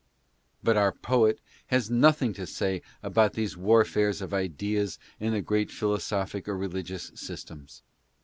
But our poet has nothing to say about these warfares of ideas in the great philosophic or religious systems.